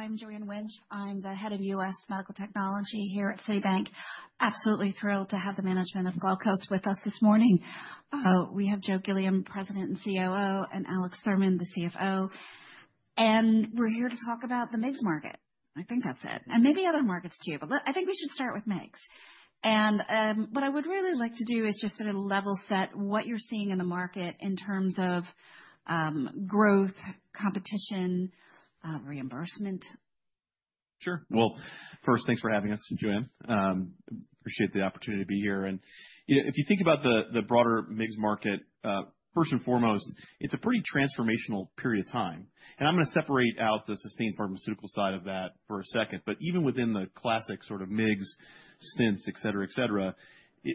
I'm Joanne Wuensch. I'm the head of U.S. Medical Technology here at Citibank. Absolutely thrilled to have the management of Glaukos with us this morning. We have Joe Gilliam, President and COO, and Alex Thurman, the CFO. And we're here to talk about the MIGS market. I think that's it. And maybe other markets too, but I think we should start with MIGS. And what I would really like to do is just sort of level set what you're seeing in the market in terms of growth, competition, reimbursement. Sure. Well, first, thanks for having us, Joanne. Appreciate the opportunity to be here. And if you think about the broader MIGS market, first and foremost, it's a pretty transformational period of time. And I'm going to separate out the sustained pharmaceutical side of that for a second. But even within the classic sort of MIGS, stents, etc.,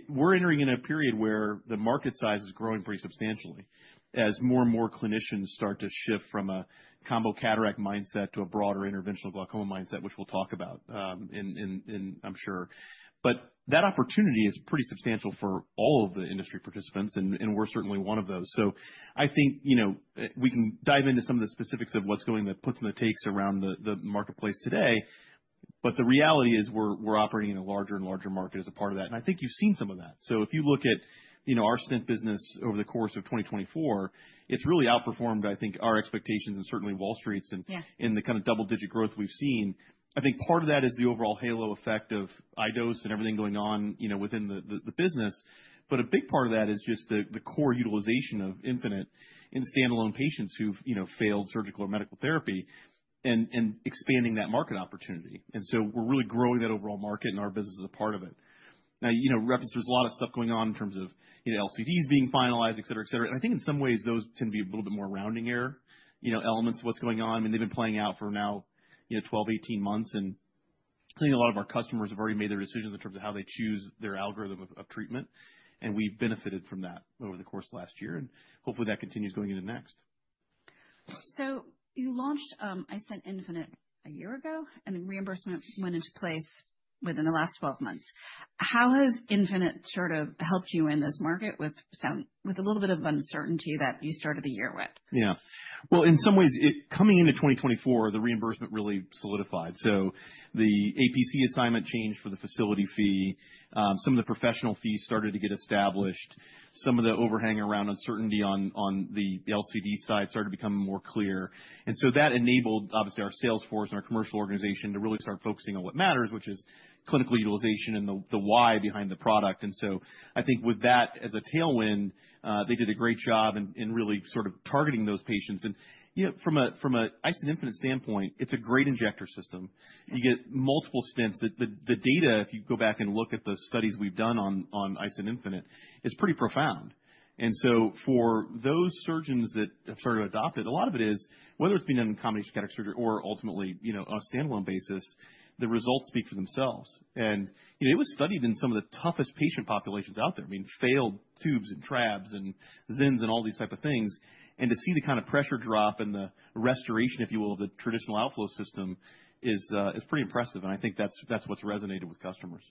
we're entering in a period where the market size is growing pretty substantially as more and more clinicians start to shift from a combo cataract mindset to a broader interventional glaucoma mindset, which we'll talk about in, I'm sure. But that opportunity is pretty substantial for all of the industry participants, and we're certainly one of those. So I think we can dive into some of the specifics of what's going on, the puts and the takes around the marketplace today. But the reality is we're operating in a larger and larger market as a part of that. And I think you've seen some of that. So if you look at our iStent business over the course of 2024, it's really outperformed, I think, our expectations and certainly Wall Street's and in the kind of double-digit growth we've seen. I think part of that is the overall halo effect of iDose and everything going on within the business. But a big part of that is just the core utilization of iStent infinite in standalone patients who've failed surgical or medical therapy and expanding that market opportunity. And so we're really growing that overall market and our business is a part of it. Now, there's a lot of stuff going on in terms of LCDs being finalized, etc. And I think in some ways those tend to be a little bit more rounding error elements of what's going on. I mean, they've been playing out for now 12-18 months. And I think a lot of our customers have already made their decisions in terms of how they choose their algorithm of treatment. And we've benefited from that over the course of last year. And hopefully that continues going into next. You launched iStent Infinite a year ago, and the reimbursement went into place within the last 12 months. How has iStent Infinite sort of helped you in this market with a little bit of uncertainty that you started the year with? Yeah. Well, in some ways, coming into 2024, the reimbursement really solidified. So the APC assignment changed for the facility fee. Some of the professional fees started to get established. Some of the overhanging around uncertainty on the LCD side started to become more clear. And so that enabled, obviously, our sales force and our commercial organization to really start focusing on what matters, which is clinical utilization and the why behind the product. And so I think with that as a tailwind, they did a great job in really sort of targeting those patients. And from an iStent infinite standpoint, it's a great injector system. You get multiple stints. The data, if you go back and look at the studies we've done on iStent infinite, is pretty profound. And so for those surgeons that have sort of adopted, a lot of it is, whether it's being done in combination cataract surgery or ultimately on a standalone basis, the results speak for themselves. And it was studied in some of the toughest patient populations out there. I mean, failed tubes and trabs and XENs and all these types of things. And to see the kind of pressure drop and the restoration, if you will, of the traditional outflow system is pretty impressive. And I think that's what's resonated with customers.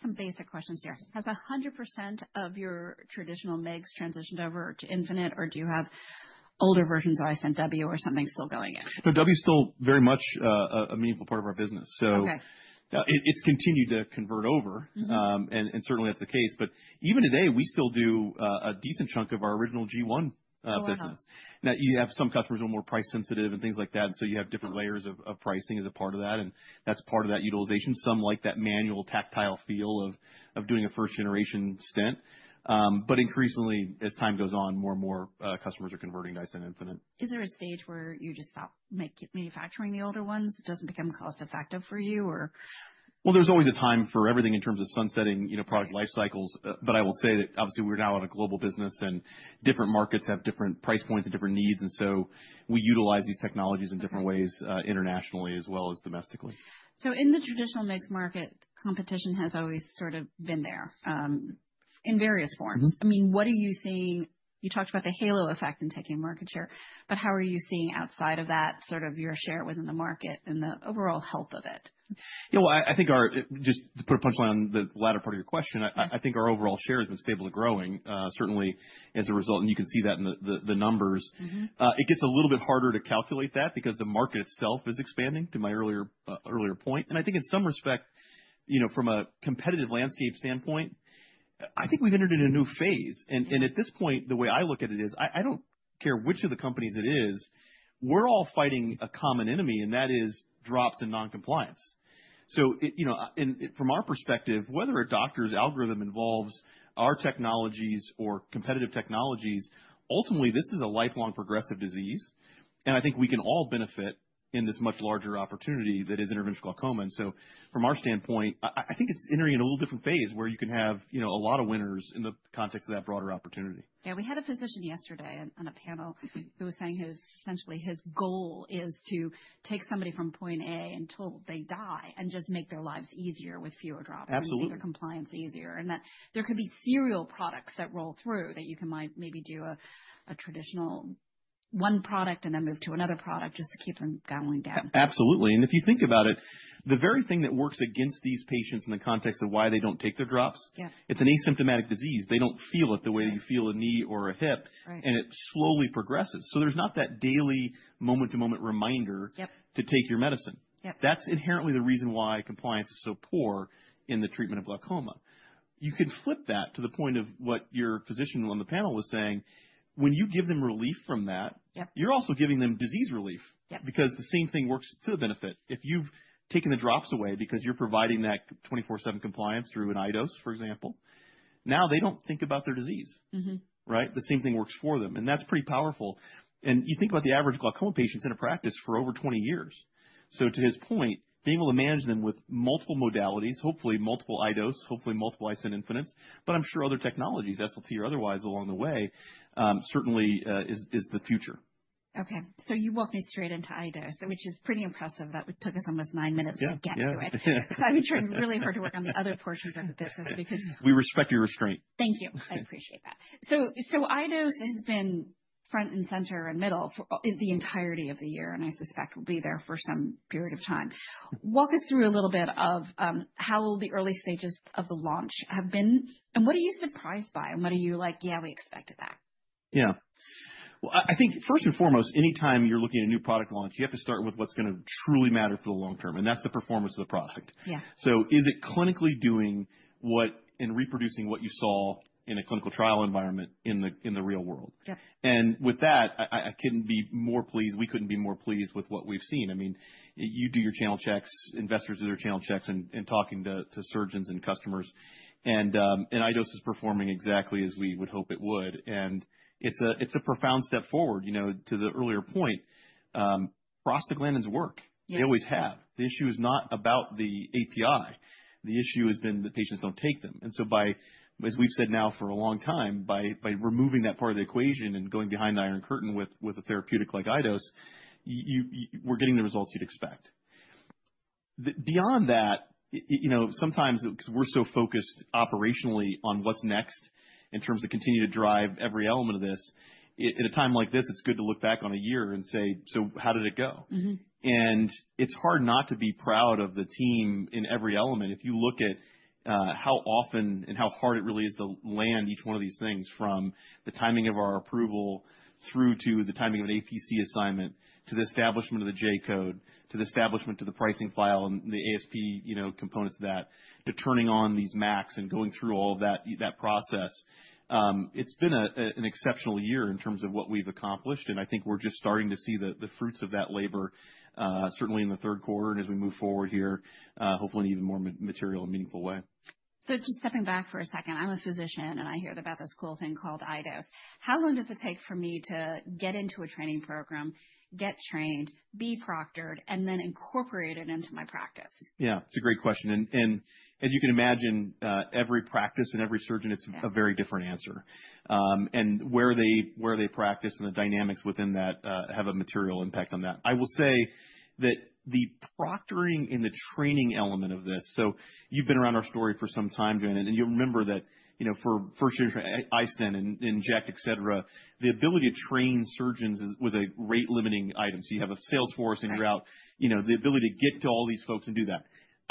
Some basic questions here. Has 100% of your traditional MIGS transitioned over to iStent infinite, or do you have older versions of iStent inject W or something still going in? No, W is still very much a meaningful part of our business. So it's continued to convert over. And certainly that's the case. But even today, we still do a decent chunk of our original G1 business. Now, you have some customers who are more price sensitive and things like that. And so you have different layers of pricing as a part of that. And that's part of that utilization. Some like that manual tactile feel of doing a first-generation stent. But increasingly, as time goes on, more and more customers are converting to iStent infinite. Is there a stage where you just stop manufacturing the older ones? It doesn't become cost-effective for you, or? There's always a time for everything in terms of sunsetting product life cycles, but I will say that obviously we're now in a global business and different markets have different price points and different needs, and so we utilize these technologies in different ways internationally as well as domestically. So in the traditional MIGS market, competition has always sort of been there in various forms. I mean, what are you seeing? You talked about the halo effect in taking market share. But how are you seeing outside of that sort of your share within the market and the overall health of it? Yeah, well, I think, just to put a punchline on the latter part of your question, I think our overall share has been stable to growing, certainly as a result. And you can see that in the numbers. It gets a little bit harder to calculate that because the market itself is expanding to my earlier point. And I think in some respect, from a competitive landscape standpoint, I think we've entered in a new phase. And at this point, the way I look at it is I don't care which of the companies it is, we're all fighting a common enemy, and that is drops and non-compliance. So from our perspective, whether a doctor's algorithm involves our technologies or competitive technologies, ultimately this is a lifelong progressive disease. And I think we can all benefit in this much larger opportunity that is interventional glaucoma. From our standpoint, I think it's entering in a little different phase where you can have a lot of winners in the context of that broader opportunity. Yeah, we had a physician yesterday on a panel who was saying essentially his goal is to take somebody from point A until they die and just make their lives easier with fewer drops, make their compliance easier, and that there could be serial products that roll through that you can maybe do a traditional one product and then move to another product just to keep them going down. Absolutely. And if you think about it, the very thing that works against these patients in the context of why they don't take their drops, it's an asymptomatic disease. They don't feel it the way that you feel a knee or a hip, and it slowly progresses. So there's not that daily moment-to-moment reminder to take your medicine. That's inherently the reason why compliance is so poor in the treatment of glaucoma. You can flip that to the point of what your physician on the panel was saying. When you give them relief from that, you're also giving them disease relief because the same thing works to the benefit. If you've taken the drops away because you're providing that 24/7 compliance through an iDose, for example, now they don't think about their disease, right? The same thing works for them. And that's pretty powerful. You think about the average glaucoma patients in a practice for over 20 years. To his point, being able to manage them with multiple modalities, hopefully multiple iDoses, hopefully multiple iStent infinites, but I'm sure other technologies, SLT or otherwise along the way, certainly is the future. Okay. So you walked me straight into iDose, which is pretty impressive. That took us almost nine minutes to get to it. I've been trying really hard to work on the other portions of the business because. We respect your restraint. Thank you. I appreciate that. So iDose has been front and center and middle for the entirety of the year, and I suspect will be there for some period of time. Walk us through a little bit of how the early stages of the launch have been, and what are you surprised by, and what are you like, "Yeah, we expected that"? Yeah. Well, I think first and foremost, anytime you're looking at a new product launch, you have to start with what's going to truly matter for the long term. And that's the performance of the product. So is it clinically doing what and reproducing what you saw in a clinical trial environment in the real world? And with that, I couldn't be more pleased. We couldn't be more pleased with what we've seen. I mean, you do your channel checks, investors do their channel checks and talking to surgeons and customers. And iDose is performing exactly as we would hope it would. And it's a profound step forward. To the earlier point, prostaglandins work. They always have. The issue is not about the API. The issue has been that patients don't take them. So by, as we've said now for a long time, by removing that part of the equation and going behind the iron curtain with a therapeutic like iDose, we're getting the results you'd expect. Beyond that, sometimes because we're so focused operationally on what's next in terms of continuing to drive every element of this, at a time like this, it's good to look back on a year and say, "So how did it go?" And it's hard not to be proud of the team in every element. If you look at how often and how hard it really is to land each one of these things from the timing of our approval through to the timing of an APC assignment, to the establishment of the J code, to the establishment to the pricing file and the ASP components of that, to turning on these MACs and going through all of that process, it's been an exceptional year in terms of what we've accomplished, and I think we're just starting to see the fruits of that labor, certainly in the third quarter and as we move forward here, hopefully in an even more material and meaningful way. Just stepping back for a second, I'm a physician and I hear about this cool thing called iDose. How long does it take for me to get into a training program, get trained, be proctored, and then incorporate it into my practice? Yeah, it's a great question, and as you can imagine, every practice and every surgeon, it's a very different answer, and where they practice and the dynamics within that have a material impact on that. I will say that the proctoring and the training element of this, so you've been around our story for some time, Joanne, and you'll remember that for first-generation iStent and Inject, etc, the ability to train surgeons was a rate-limiting item, so you have a sales force and you're out, the ability to get to all these folks and do that.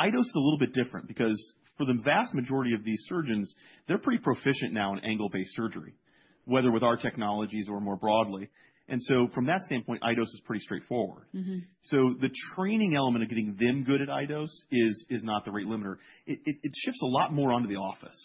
iDose is a little bit different because for the vast majority of these surgeons, they're pretty proficient now in angle-based surgery, whether with our technologies or more broadly, and so from that standpoint, iDose is pretty straightforward. So the training element of getting them good at iDose is not the rate limiter. It shifts a lot more onto the office.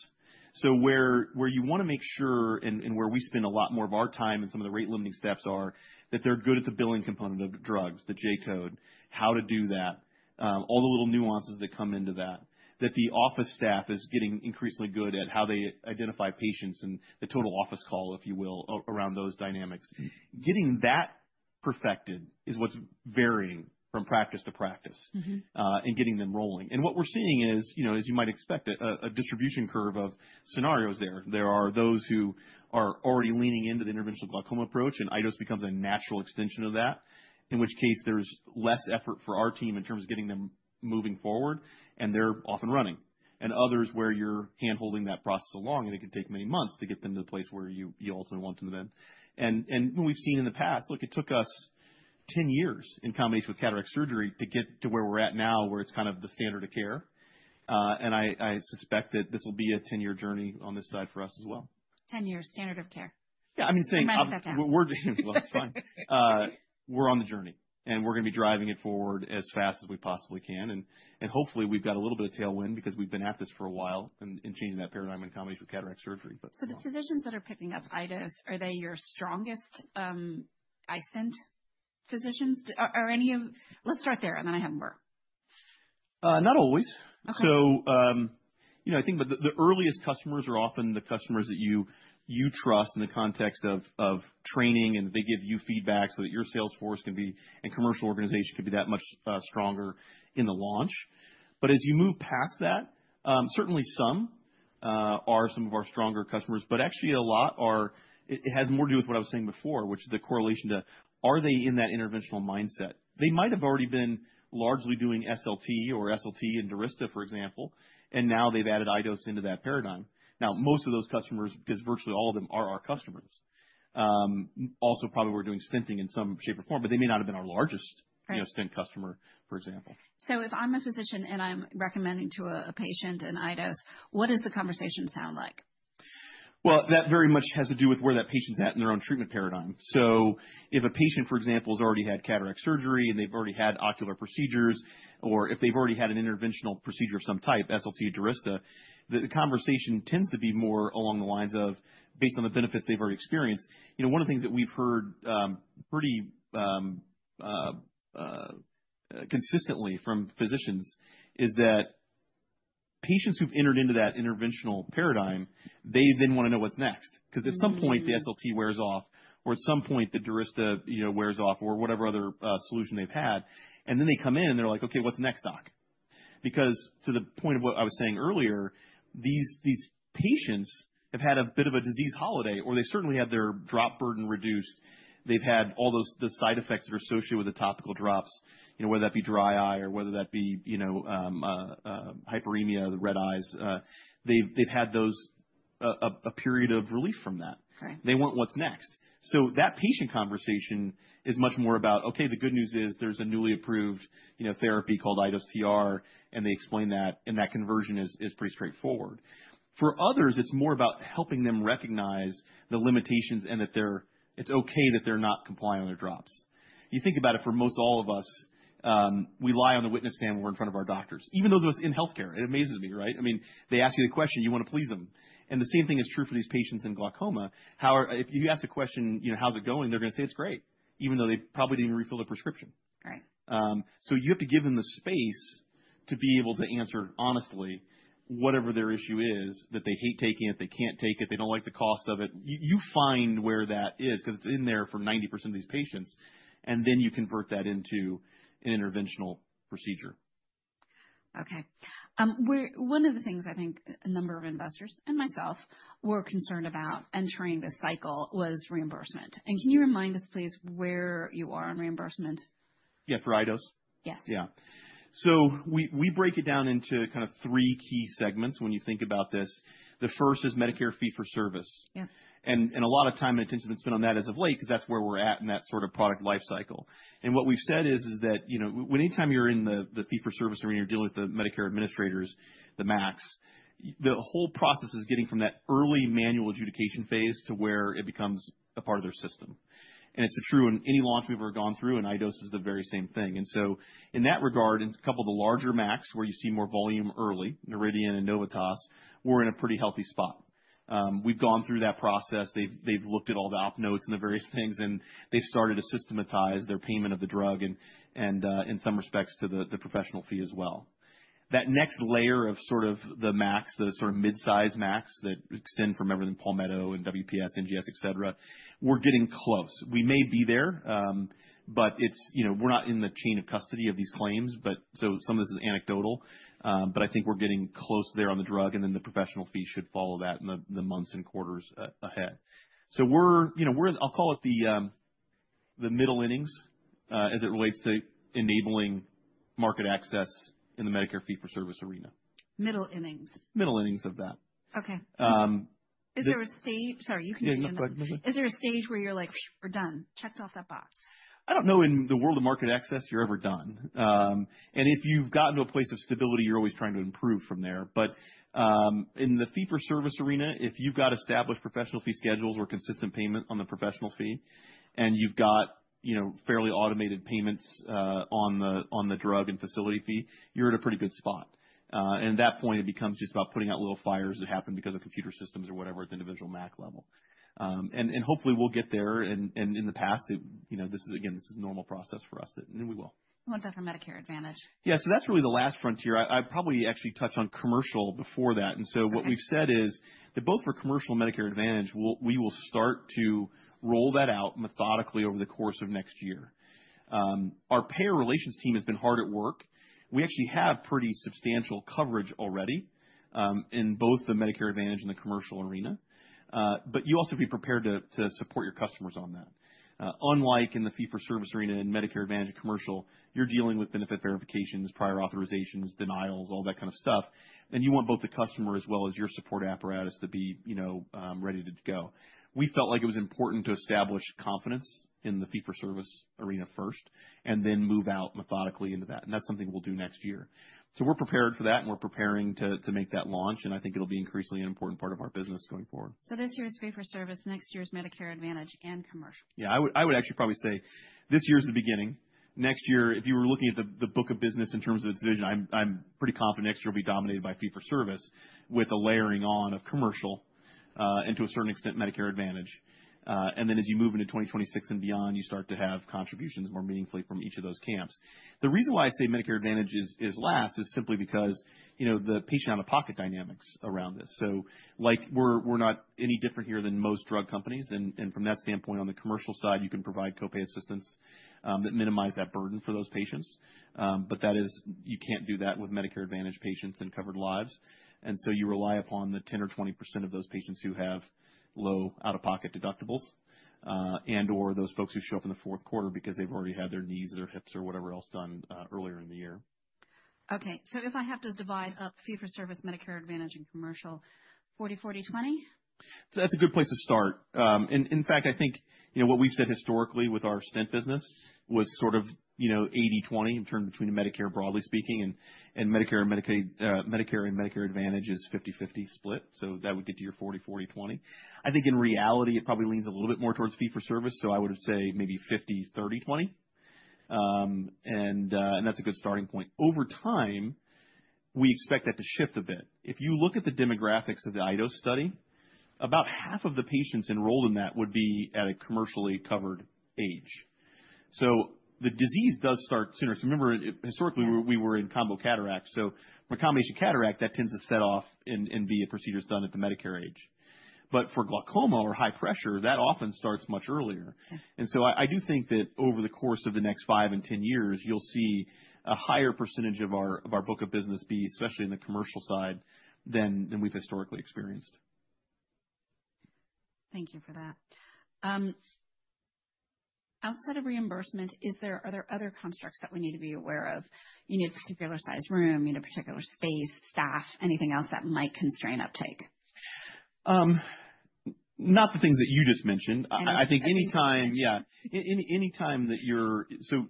So where you want to make sure and where we spend a lot more of our time and some of the rate-limiting steps are that they're good at the billing component of drugs, the J-code, how to do that, all the little nuances that come into that, that the office staff is getting increasingly good at how they identify patients and the total office call, if you will, around those dynamics. Getting that perfected is what's varying from practice to practice and getting them rolling. And what we're seeing is, as you might expect, a distribution curve of scenarios there. There are those who are already leaning into the interventional glaucoma approach and iDose becomes a natural extension of that, in which case there's less effort for our team in terms of getting them moving forward and they're off and running, and others where you're hand-holding that process along and it can take many months to get them to the place where you ultimately want them to be, and we've seen in the past, look, it took us 10 years in combination with cataract surgery to get to where we're at now where it's kind of the standard of care, and I suspect that this will be a 10-year journey on this side for us as well. 10-year standard of care. Yeah, I mean, saying. In my office time. That's fine. We're on the journey and we're going to be driving it forward as fast as we possibly can. Hopefully we've got a little bit of tailwind because we've been at this for a while and changing that paradigm in combination with cataract surgery. So the physicians that are picking up iDose, are they your strongest iStent physicians? Let's start there and then I have more. Not always. So I think the earliest customers are often the customers that you trust in the context of training and they give you feedback so that your sales force can be and commercial organization can be that much stronger in the launch. But as you move past that, certainly some are some of our stronger customers, but actually a lot has more to do with what I was saying before, which is the correlation to are they in that interventional mindset? They might have already been largely doing SLT or SLT and Durysta, for example, and now they've added iDose into that paradigm. Now, most of those customers, because virtually all of them are our customers, also probably were doing stenting in some shape or form, but they may not have been our largest iStent customer, for example. So if I'm a physician and I'm recommending to a patient an iDose, what does the conversation sound like? That very much has to do with where that patient's at in their own treatment paradigm. So if a patient, for example, has already had cataract surgery and they've already had ocular procedures, or if they've already had an interventional procedure of some type, SLT, Durysta, the conversation tends to be more along the lines of based on the benefits they've already experienced. One of the things that we've heard pretty consistently from physicians is that patients who've entered into that interventional paradigm, they then want to know what's next. Because at some point, the SLT wears off, or at some point, the Durysta wears off, or whatever other solution they've had. And then they come in and they're like, "Okay, what's next, doc?" Because to the point of what I was saying earlier, these patients have had a bit of a disease holiday, or they certainly had their drop burden reduced. They've had all those side effects that are associated with the topical drops, whether that be dry eye or whether that be hyperemia, the red eyes. They've had a period of relief from that. They want what's next. So that patient conversation is much more about, "Okay, the good news is there's a newly approved therapy called iDose TR," and they explain that, and that conversion is pretty straightforward. For others, it's more about helping them recognize the limitations and that it's okay that they're not compliant with their drops. You think about it for most all of us, we lie on the witness stand when we're in front of our doctors, even those of us in healthcare. It amazes me, right? I mean, they ask you the question, you want to please them. And the same thing is true for these patients in glaucoma. If you ask the question, "How's it going?" They're going to say, "It's great," even though they probably didn't even refill the prescription. So you have to give them the space to be able to answer honestly whatever their issue is, that they hate taking it, they can't take it, they don't like the cost of it. You find where that is because it's in there for 90% of these patients, and then you convert that into an interventional procedure. Okay. One of the things I think a number of investors and myself were concerned about entering this cycle was reimbursement. And can you remind us, please, where you are on reimbursement? Yeah, for iDose? Yes. Yeah. So we break it down into kind of three key segments when you think about this. The first is Medicare fee for service. And a lot of time and attention has been spent on that as of late because that's where we're at in that sort of product lifecycle. And what we've said is that anytime you're in the fee for service or when you're dealing with the Medicare administrators, the MACs, the whole process is getting from that early manual adjudication phase to where it becomes a part of their system. And it's true in any launch we've ever gone through, and iDose is the very same thing. And so in that regard, in a couple of the larger MACs where you see more volume early, Noridian and Novitas, we're in a pretty healthy spot. We've gone through that process. They've looked at all the op notes and the various things, and they've started to systematize their payment of the drug and in some respects to the professional fee as well. That next layer of sort of the MACs, the sort of mid-size MACs that extend from everything Palmetto and WPS, NGS, etc., we're getting close. We may be there, but we're not in the chain of custody of these claims. Some of this is anecdotal, but I think we're getting close there on the drug, and then the professional fee should follow that in the months and quarters ahead, so I'll call it the middle innings as it relates to enabling market access in the Medicare fee for service arena. Middle innings. Middle innings of that. Okay. Is there a stage? Sorry, you can continue. Yeah, go ahead, Wuensch. Is there a stage where you're like, "We're done," checked off that box? I don't know if in the world of market access you're ever done, and if you've gotten to a place of stability, you're always trying to improve from there. But in the fee-for-service arena, if you've got established professional fee schedules or consistent payment on the professional fee, and you've got fairly automated payments on the drug and facility fee, you're in a pretty good spot, and at that point, it becomes just about putting out little fires that happened because of computer systems or whatever at the individual MAC level. Hopefully we'll get there, and in the past, again, this is a normal process for us, and we will. We want that for Medicare Advantage. Yeah, so that's really the last frontier. I probably actually touch on commercial before that. And so what we've said is that both for commercial and Medicare Advantage, we will start to roll that out methodically over the course of next year. Our payer relations team has been hard at work. We actually have pretty substantial coverage already in both the Medicare Advantage and the commercial arena. But you also be prepared to support your customers on that. Unlike in the fee for service arena and Medicare Advantage and commercial, you're dealing with benefit verifications, prior authorizations, denials, all that kind of stuff. And you want both the customer as well as your support apparatus to be ready to go. We felt like it was important to establish confidence in the fee for service arena first and then move out methodically into that. And that's something we'll do next year. So we're prepared for that, and we're preparing to make that launch. And I think it'll be increasingly an important part of our business going forward. This year's fee-for-service, next year's Medicare Advantage and commercial. Yeah. I would actually probably say this year's the beginning. Next year, if you were looking at the book of business in terms of its vision, I'm pretty confident next year will be dominated by fee for service with a layering on of commercial and to a certain extent Medicare Advantage. And then as you move into 2026 and beyond, you start to have contributions more meaningfully from each of those camps. The reason why I say Medicare Advantage is last is simply because the patient out-of-pocket dynamics around this. So we're not any different here than most drug companies. And from that standpoint, on the commercial side, you can provide copay assistance that minimizes that burden for those patients. But you can't do that with Medicare Advantage patients and covered lives. And so you rely upon the 10% or 20% of those patients who have low out-of-pocket deductibles and/or those folks who show up in the fourth quarter because they've already had their knees, their hips, or whatever else done earlier in the year. Okay. So if I have to divide up fee for service, Medicare Advantage, and commercial, 40/40/20? So that's a good place to start. In fact, I think what we've said historically with our iStent business was sort of 80/20 in terms between Medicare, broadly speaking, and Medicare and Medicare Advantage is 50/50 split. So that would get to your 40/40/20. I think in reality, it probably leans a little bit more towards fee for service. So I would have said maybe 50/30/20. And that's a good starting point. Over time, we expect that to shift a bit. If you look at the demographics of the iDose study, about half of the patients enrolled in that would be at a commercially covered age. So the disease does start sooner. So remember, historically, we were in combo cataracts. So for combination cataract, that tends to set off and be a procedure that's done at the Medicare age. But for glaucoma or high pressure, that often starts much earlier. And so I do think that over the course of the next five and 10 years, you'll see a higher percentage of our book of business be, especially in the commercial side, than we've historically experienced. Thank you for that. Outside of reimbursement, are there other constructs that we need to be aware of? You need a particular size room, you need a particular space, staff, anything else that might constrain uptake? Not the things that you just mentioned. I think anytime, yeah. Anytime that you're so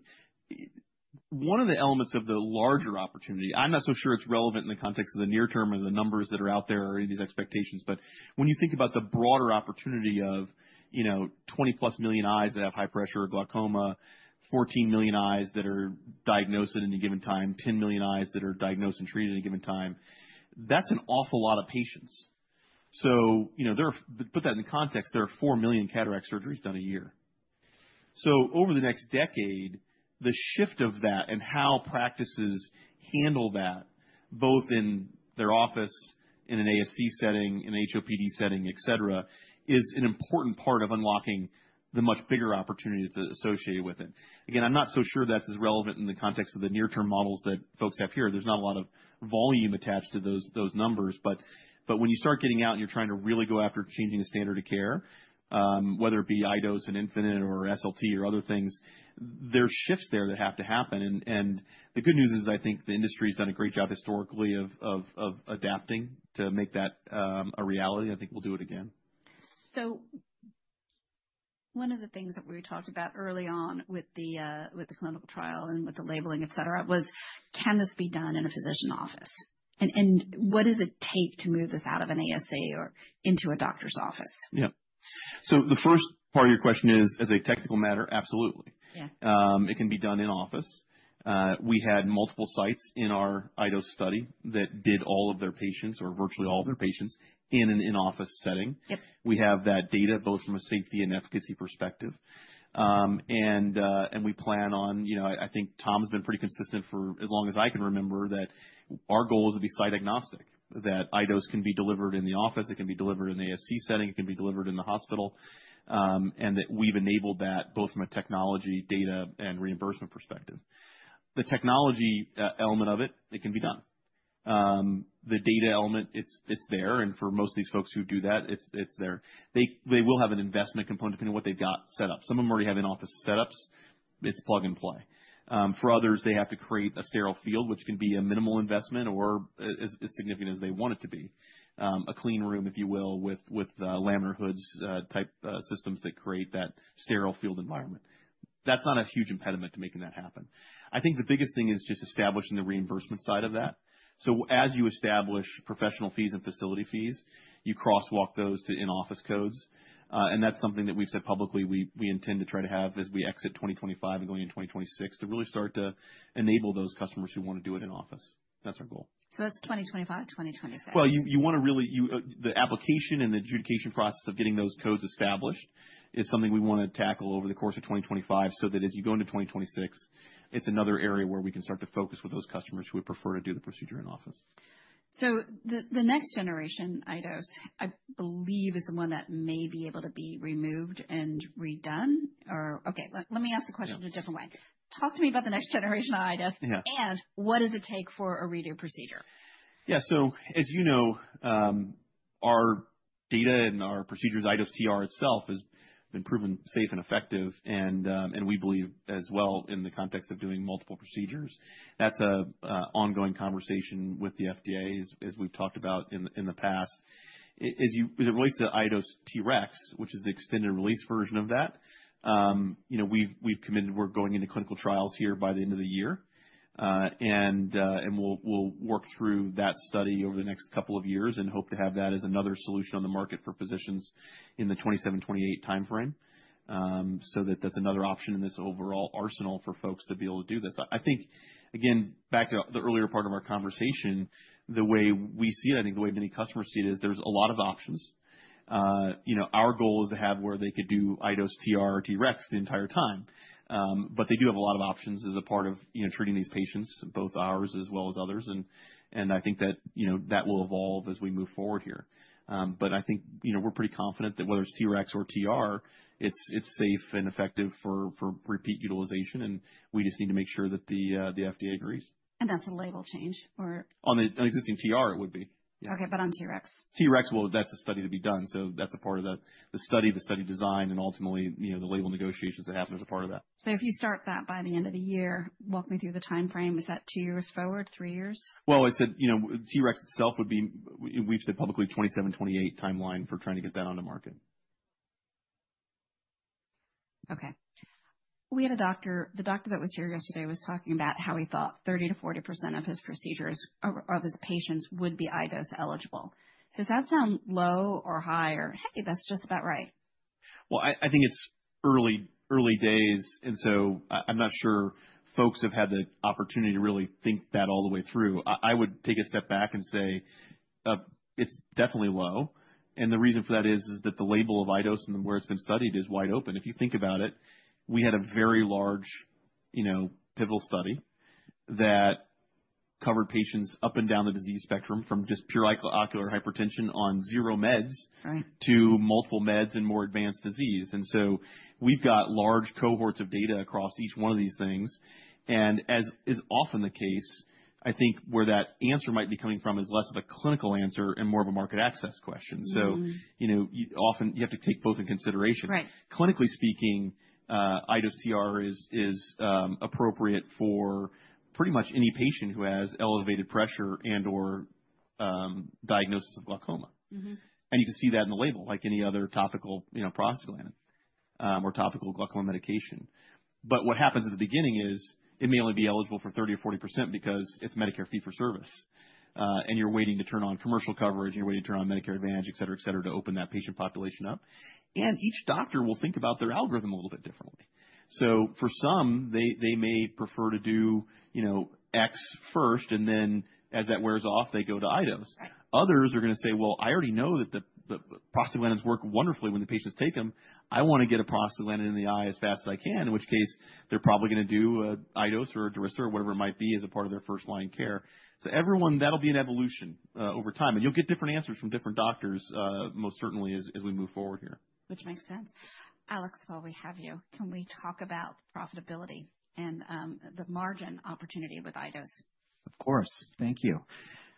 one of the elements of the larger opportunity, I'm not so sure it's relevant in the context of the near term or the numbers that are out there or these expectations. But when you think about the broader opportunity of 20+ million eyes that have high pressure or glaucoma, 14 million eyes that are diagnosed at any given time, 10 million eyes that are diagnosed and treated at any given time, that's an awful lot of patients. So to put that in context, there are four million cataract surgeries done a year. So over the next decade, the shift of that and how practices handle that, both in their office, in an ASC setting, in an HOPD setting, etc., is an important part of unlocking the much bigger opportunity that's associated with it. Again, I'm not so sure that's as relevant in the context of the near-term models that folks have here. There's not a lot of volume attached to those numbers. But when you start getting out and you're trying to really go after changing a standard of care, whether it be iDose and Infinite or SLT or other things, there are shifts there that have to happen. And the good news is I think the industry has done a great job historically of adapting to make that a reality. I think we'll do it again. One of the things that we talked about early on with the clinical trial and with the labeling, etc., was can this be done in a physician office? And what does it take to move this out of an ASC or into a doctor's office? Yeah. So the first part of your question is, as a technical matter, absolutely. It can be done in office. We had multiple sites in our iDose study that did all of their patients or virtually all of their patients in an in-office setting. We have that data both from a safety and efficacy perspective. And we plan on, I think Tom has been pretty consistent for as long as I can remember, that our goal is to be site-agnostic, that iDose can be delivered in the office, it can be delivered in the ASC setting, it can be delivered in the hospital, and that we've enabled that both from a technology, data, and reimbursement perspective. The technology element of it, it can be done. The data element, it's there. And for most of these folks who do that, it's there. They will have an investment component depending on what they've got set up. Some of them already have in-office setups. It's plug and play. For others, they have to create a sterile field, which can be a minimal investment or as significant as they want it to be. A clean room, if you will, with laminar flow hoods-type systems that create that sterile field environment. That's not a huge impediment to making that happen. I think the biggest thing is just establishing the reimbursement side of that. So as you establish professional fees and facility fees, you crosswalk those to in-office codes. And that's something that we've said publicly we intend to try to have as we exit 2025 and going into 2026 to really start to enable those customers who want to do it in office. That's our goal. So that's 2025, 2026. You want to really the application and the adjudication process of getting those codes established is something we want to tackle over the course of 2025 so that as you go into 2026, it's another area where we can start to focus with those customers who would prefer to do the procedure in office. So the next generation iDose, I believe, is the one that may be able to be removed and redone or okay, let me ask the question a different way. Talk to me about the next generation iDose and what does it take for a redo procedure? Yeah. So as you know, our data and our procedures, iDose TR itself, has been proven safe and effective. And we believe as well in the context of doing multiple procedures. That's an ongoing conversation with the FDA, as we've talked about in the past. As it relates to iDose TRx, which is the extended-release version of that, we've committed we're going into clinical trials here by the end of the year. And we'll work through that study over the next couple of years and hope to have that as another solution on the market for physicians in the 2027-2028 timeframe so that that's another option in this overall arsenal for folks to be able to do this. I think, again, back to the earlier part of our conversation, the way we see it, I think the way many customers see it is there's a lot of options. Our goal is to have where they could do iDose TR or TRx the entire time. But they do have a lot of options as a part of treating these patients, both ours as well as others. And I think that that will evolve as we move forward here. But I think we're pretty confident that whether it's TRx or TR, it's safe and effective for repeat utilization. And we just need to make sure that the FDA agrees. That's a label change or? On the existing TR, it would be. Okay, but on TRx? TRx, well, that's a study to be done. So that's a part of the study, the study design, and ultimately the label negotiations that happen as a part of that. So if you start that by the end of the year, walk me through the timeframe. Is that two years forward, three years? I said TRx itself would be. We've said publicly 2027, 2028 timeline for trying to get that on the market. Okay. We had a doctor, the doctor that was here yesterday, was talking about how he thought 30%-40% of his procedures of his patients would be iDose eligible. Does that sound low or high or hey, that's just about right? I think it's early days. And so I'm not sure folks have had the opportunity to really think that all the way through. I would take a step back and say it's definitely low. And the reason for that is that the label of iDose and where it's been studied is wide open. If you think about it, we had a very large pivotal study that covered patients up and down the disease spectrum from just pure ocular hypertension on zero meds to multiple meds and more advanced disease. And so we've got large cohorts of data across each one of these things. And as is often the case, I think where that answer might be coming from is less of a clinical answer and more of a market access question. So often you have to take both in consideration. Clinically speaking, iDose TR is appropriate for pretty much any patient who has elevated pressure and/or diagnosis of glaucoma. And you can see that in the label, like any other topical prostaglandin or topical glaucoma medication. But what happens at the beginning is it may only be eligible for 30% or 40% because it's Medicare fee-for-service. And you're waiting to turn on commercial coverage. You're waiting to turn on Medicare Advantage, etc., to open that patient population up. And each doctor will think about their algorithm a little bit differently. So for some, they may prefer to do X first, and then as that wears off, they go to iDose. Others are going to say, "Well, I already know that the prostaglandins work wonderfully when the patients take them. I want to get a prostaglandin in the eye as fast as I can," in which case they're probably going to do an iDose or a Durysta or whatever it might be as a part of their first-line care. Everyone, that'll be an evolution over time. You'll get different answers from different doctors, most certainly, as we move forward here. Which makes sense. Alex, while we have you, can we talk about profitability and the margin opportunity with iDose? Of course. Thank you.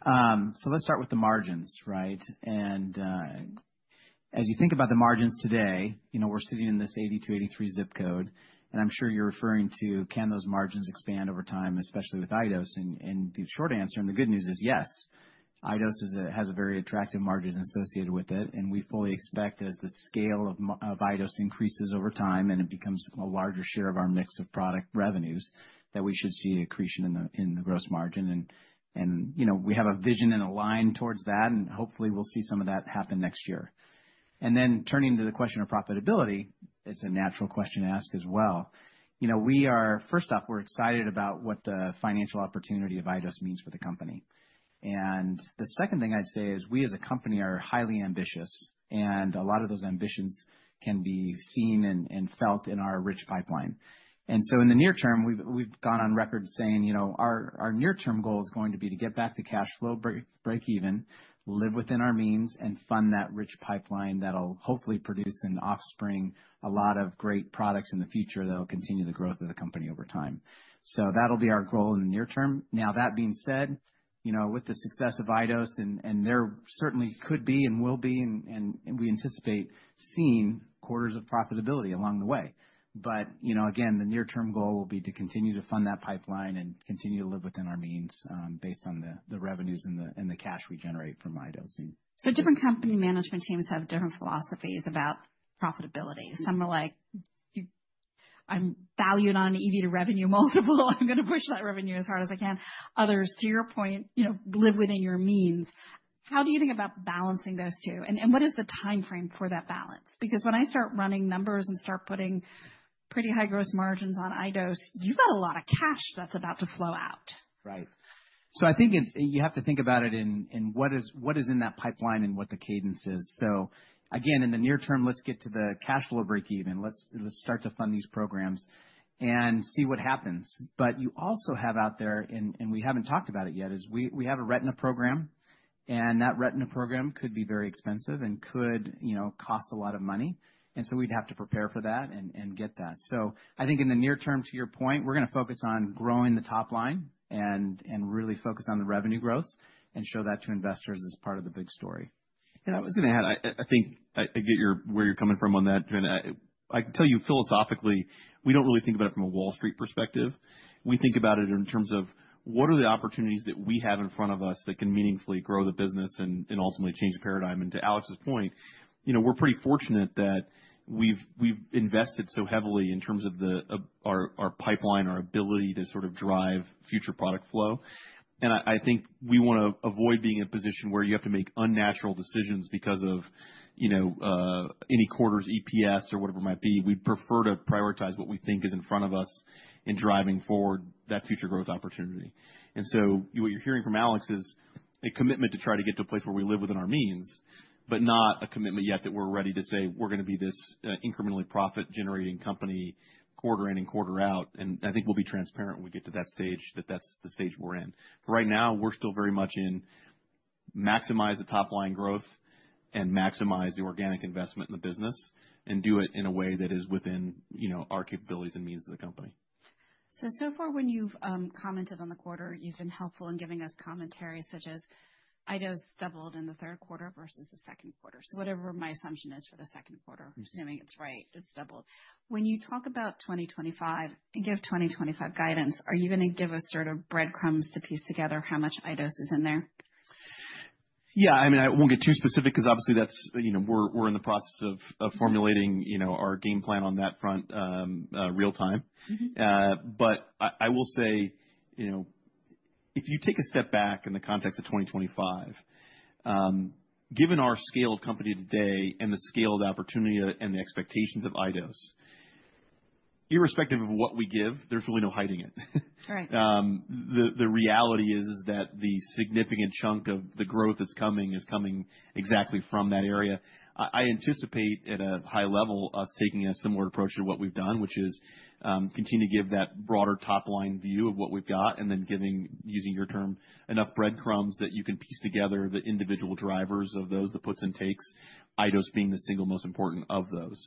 So let's start with the margins, right? And as you think about the margins today, we're sitting in this 80%-83% zip code. And I'm sure you're referring to, can those margins expand over time, especially with iDose? And the short answer, and the good news is yes, iDose has very attractive margins associated with it. And we fully expect as the scale of iDose increases over time and it becomes a larger share of our mix of product revenues, that we should see an increase in the gross margin. And we have a vision and a line towards that. And hopefully, we'll see some of that happen next year. And then turning to the question of profitability, it's a natural question to ask as well. First off, we're excited about what the financial opportunity of iDose means for the company. The second thing I'd say is we, as a company, are highly ambitious. A lot of those ambitions can be seen and felt in our rich pipeline. So in the near term, we've gone on record saying our near-term goal is going to be to get back to cash flow, break even, live within our means, and fund that rich pipeline that'll hopefully produce an offspring a lot of great products in the future that'll continue the growth of the company over time. That'll be our goal in the near term. Now, that being said, with the success of iDose, and there certainly could be and will be, and we anticipate seeing quarters of profitability along the way. But again, the near-term goal will be to continue to fund that pipeline and continue to live within our means based on the revenues and the cash we generate from iDosing. Different company management teams have different philosophies about profitability. Some are like, "I'm valued on an EV to revenue multiple. I'm going to push that revenue as hard as I can." Others, to your point, live within your means. How do you think about balancing those two? And what is the timeframe for that balance? Because when I start running numbers and start putting pretty high gross margins on iDose, you've got a lot of cash that's about to flow out. Right, so I think you have to think about it and what is in that pipeline and what the cadence is. So again, in the near term, let's get to the cash flow break even. Let's start to fund these programs and see what happens, but you also have out there, and we haven't talked about it yet, is we have a retina program. And that retina program could be very expensive and could cost a lot of money, and so we'd have to prepare for that and get that. So I think in the near term, to your point, we're going to focus on growing the top line and really focus on the revenue growth and show that to investors as part of the big story. I was going to add, I think I get where you're coming from on that. I can tell you philosophically, we don't really think about it from a Wall Street perspective. We think about it in terms of what are the opportunities that we have in front of us that can meaningfully grow the business and ultimately change the paradigm. To Alex's point, we're pretty fortunate that we've invested so heavily in terms of our pipeline, our ability to sort of drive future product flow. I think we want to avoid being in a position where you have to make unnatural decisions because of any quarter's EPS or whatever it might be. We'd prefer to prioritize what we think is in front of us in driving forward that future growth opportunity. And so what you're hearing from Alex is a commitment to try to get to a place where we live within our means, but not a commitment yet that we're ready to say, "We're going to be this incrementally profit-generating company quarter in and quarter out." And I think we'll be transparent when we get to that stage that that's the stage we're in. For right now, we're still very much in maximize the top line growth and maximize the organic investment in the business and do it in a way that is within our capabilities and means as a company. So far when you've commented on the quarter, you've been helpful in giving us commentary such as iDose doubled in the third quarter versus the second quarter. So whatever my assumption is for the second quarter, assuming it's right, it's doubled. When you talk about 2025 and give 2025 guidance, are you going to give us sort of breadcrumbs to piece together how much iDose is in there? Yeah. I mean, I won't get too specific because obviously we're in the process of formulating our game plan on that front real time. But I will say if you take a step back in the context of 2025, given our scale of company today and the scale of the opportunity and the expectations of iDose, irrespective of what we give, there's really no hiding it. The reality is that the significant chunk of the growth that's coming is coming exactly from that area. I anticipate at a high level us taking a similar approach to what we've done, which is continue to give that broader top line view of what we've got and then giving, using your term, enough breadcrumbs that you can piece together the individual drivers of those, the puts and takes, iDose being the single most important of those.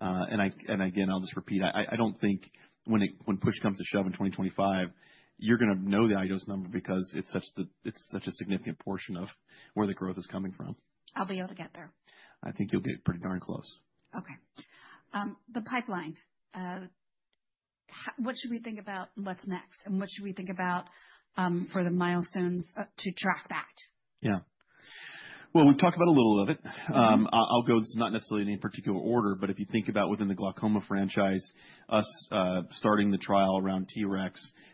Again, I'll just repeat, I don't think when push comes to shove in 2025, you're going to know the iDose number because it's such a significant portion of where the growth is coming from. I'll be able to get there. I think you'll get pretty darn close. Okay. The pipeline, what should we think about what's next? And what should we think about for the milestones to track that? Yeah. Well, we've talked about a little of it. I'll go not necessarily in any particular order, but if you think about within the glaucoma franchise, us starting the trial around TRx,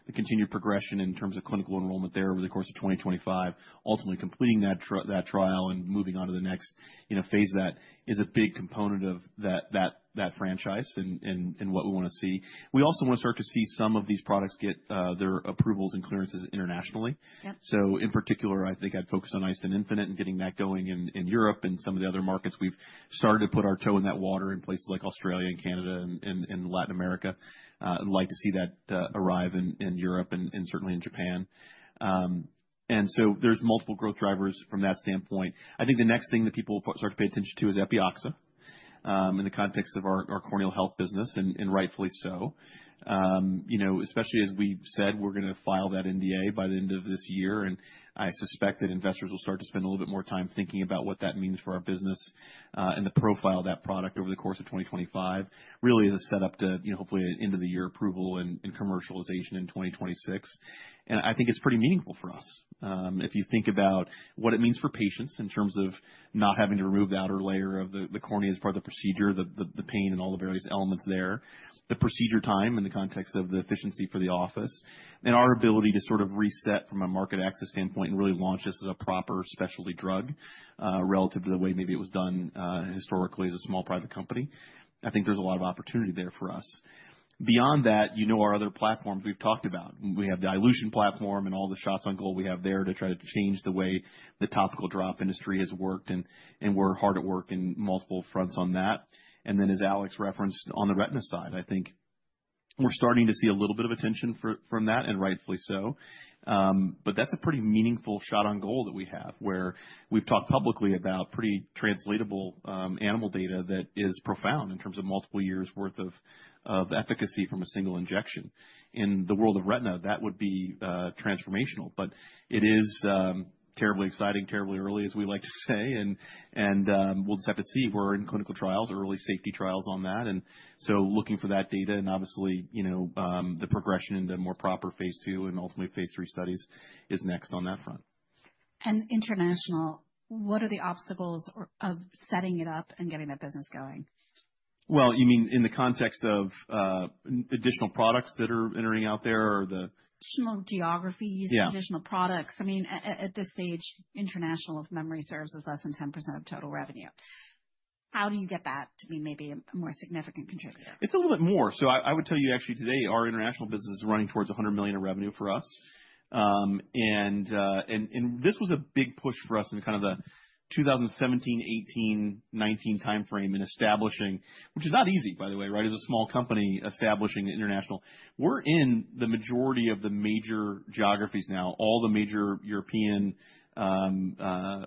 the continued progression in terms of clinical enrollment there over the course of 2025, ultimately completing that trial and moving on to the next phase, that is a big component of that franchise and what we want to see. We also want to start to see some of these products get their approvals and clearances internationally. So in particular, I think I'd focus on iStent infinite and getting that going in Europe and some of the other markets. We've started to put our toe in that water in places like Australia and Canada and Latin America. I'd like to see that arrive in Europe and certainly in Japan. And so there's multiple growth drivers from that standpoint. I think the next thing that people will start to pay attention to is Epioxa in the context of our corneal health business, and rightfully so, especially as we've said we're going to file that NDA by the end of this year. And I suspect that investors will start to spend a little bit more time thinking about what that means for our business and the profile of that product over the course of 2025, really as a setup to hopefully end of the year approval and commercialization in 2026. And I think it's pretty meaningful for us. If you think about what it means for patients in terms of not having to remove the outer layer of the cornea as part of the procedure, the pain and all the various elements there, the procedure time in the context of the efficiency for the office, and our ability to sort of reset from a market access standpoint and really launch this as a proper specialty drug relative to the way maybe it was done historically as a small private company, I think there's a lot of opportunity there for us. Beyond that, you know our other platforms we've talked about. We have the iLution platform and all the shots on goal we have there to try to change the way the topical drop industry has worked. And we're hard at work in multiple fronts on that. Then as Alex referenced on the retina side, I think we're starting to see a little bit of attention from that, and rightfully so. That's a pretty meaningful shot on goal that we have where we've talked publicly about pretty translatable animal data that is profound in terms of multiple years' worth of efficacy from a single injection. In the world of retina, that would be transformational. It is terribly exciting, terribly early, as we like to say. We'll just have to see. We're in clinical trials, early safety trials on that. So looking for that data and obviously the progression into more proper phase II and ultimately phase III studies is next on that front. International, what are the obstacles of setting it up and getting that business going? You mean in the context of additional products that are entering out there or the? National geographies, additional products. I mean, at this stage, international, if memory serves, as less than 10% of total revenue. How do you get that to be maybe a more significant contributor? It's a little bit more. So I would tell you actually today, our international business is running towards $100 million of revenue for us. And this was a big push for us in kind of the 2017, 2018, 2019 timeframe in establishing, which is not easy, by the way, right? As a small company establishing international, we're in the majority of the major geographies now, all the major European,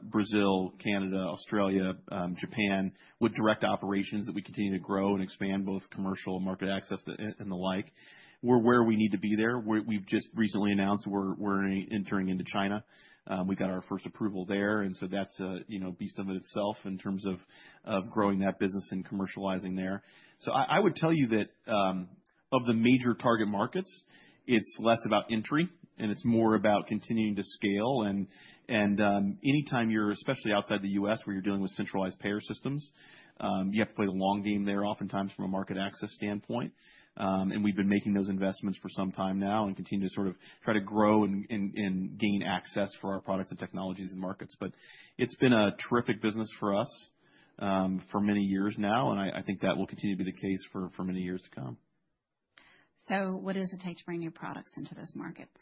Brazil, Canada, Australia, Japan, with direct operations that we continue to grow and expand both commercial and market access and the like. We're where we need to be there. We've just recently announced we're entering into China. We got our first approval there. And so that's beast of itself in terms of growing that business and commercializing there. So I would tell you that of the major target markets, it's less about entry, and it's more about continuing to scale. And anytime you're especially outside the U.S. where you're dealing with centralized payer systems, you have to play the long game there oftentimes from a market access standpoint. And we've been making those investments for some time now and continue to sort of try to grow and gain access for our products and technologies and markets. But it's been a terrific business for us for many years now. And I think that will continue to be the case for many years to come. So what does it take to bring new products into those markets?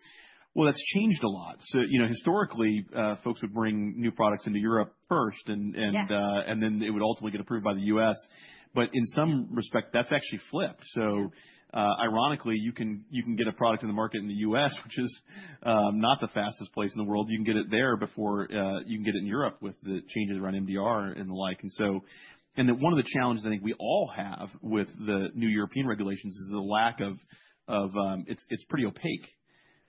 Well, that's changed a lot. So historically, folks would bring new products into Europe first, and then it would ultimately get approved by the U.S. But in some respect, that's actually flipped. So ironically, you can get a product in the market in the U.S., which is not the fastest place in the world. You can get it there before you can get it in Europe with the changes around MDR and the like. And one of the challenges I think we all have with the new European regulations is the lack of. It's pretty opaque.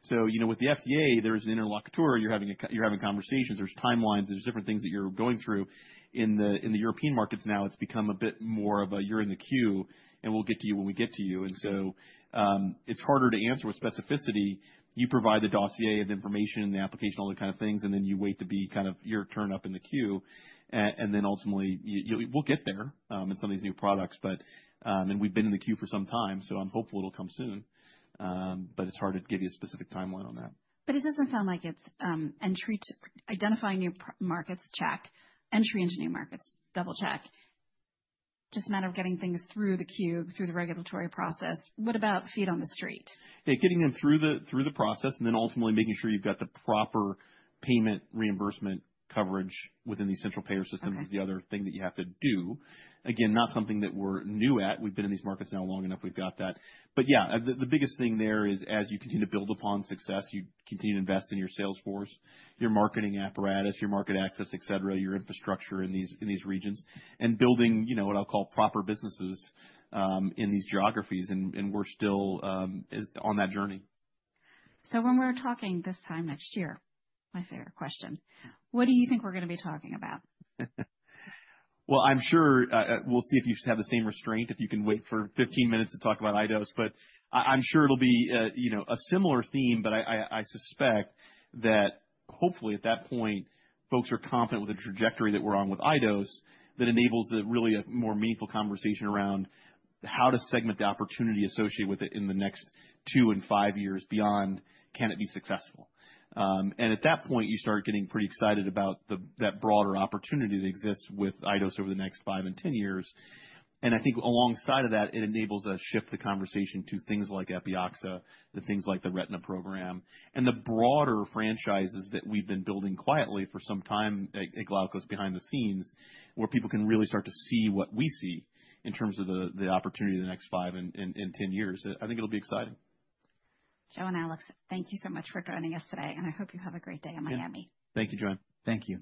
So with the FDA, there is an interlocutor. You're having conversations. There's timelines. There's different things that you're going through. In the European markets now, it's become a bit more of a, "You're in the queue, and we'll get to you when we get to you." And so it's harder to answer with specificity. You provide the dossier and the information and the application, all that kind of things, and then you wait to be kind of your turn up in the queue. And then ultimately, we'll get there in some of these new products. And we've been in the queue for some time, so I'm hopeful it'll come soon. But it's hard to give you a specific timeline on that. But it doesn't sound like it's identifying new markets, check. Entry into new markets, double-check. Just a matter of getting things through the queue, through the regulatory process. What about feet on the street? Yeah, getting them through the process and then ultimately making sure you've got the proper payment reimbursement coverage within these central payer systems is the other thing that you have to do. Again, not something that we're new at. We've been in these markets now long enough. We've got that. But yeah, the biggest thing there is as you continue to build upon success, you continue to invest in your sales force, your marketing apparatus, your market access, etc., your infrastructure in these regions, and building what I'll call proper businesses in these geographies, and we're still on that journey. So when we're talking this time next year, my favorite question, what do you think we're going to be talking about? I'm sure we'll see if you just have the same restraint if you can wait for 15 minutes to talk about iDose, but I'm sure it'll be a similar theme, but I suspect that hopefully at that point, folks are confident with the trajectory that we're on with iDose that enables really a more meaningful conversation around how to segment the opportunity associated with it in the next two and five years beyond. Can it be successful? At that point, you start getting pretty excited about that broader opportunity that exists with iDose over the next five and 10 years. I think alongside of that, it enables us to shift the conversation to things like Epioxa, things like the retina program, and the broader franchises that we've been building quietly for some time at Glaukos behind the scenes where people can really start to see what we see in terms of the opportunity of the next five and 10 years. I think it'll be exciting. Joe and Alex, thank you so much for joining us today, and I hope you have a great day in Miami. Thank you, Joanne. Thank you.